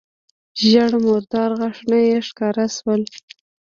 ژېړ مردار غاښونه يې راښکاره سول.